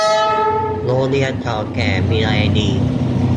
โรงเรียนเก่าแก่มีอะไรดี